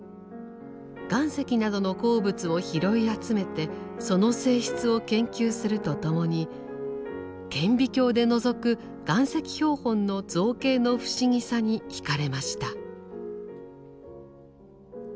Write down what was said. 岩石などの鉱物を拾い集めてその性質を研究するとともに顕微鏡でのぞく岩石標本の造形の不思議さに惹かれました。